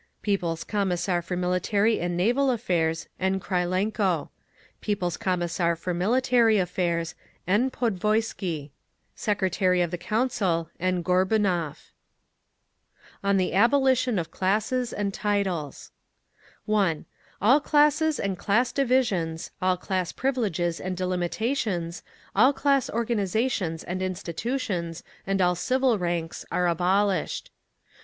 People's Commissar for Military and Naval Affairs, N. KRYLENKO. People's Commissar for Military Affairs, N. PODVOISKY. Secretary of the Council, N. GORBUNOV. On the Abolition of Classes and Titles 1. All classes and class divisions, all class privileges and delimitations, all class organisations and institutions and all civil ranks are abolished.